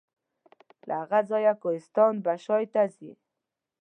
له هغه ځایه کوهستان بشای ته ځي.